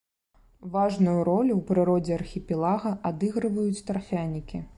Важную ролю ў прыродзе архіпелага адыгрываюць тарфянікі.